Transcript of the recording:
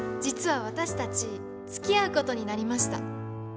実は私たちつきあうことになりました。